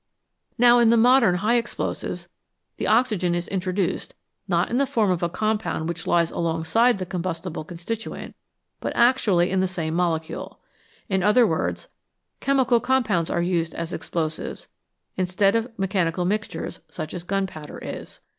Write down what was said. Now in the modern high explosives the oxygen is intro duced, not in the form of a compound which lies along side the combustible constituent, but actually in the same molecule. In other words, chemical compounds are used as explosives instead of mechanical mixtures such as gun powder is.